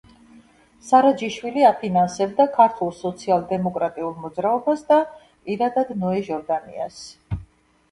სარაჯიშვილი აფინანსებდა ქართულ სოციალ-დემოკრატიულ მოძრაობას და პირადად ნოე ჟორდანიას.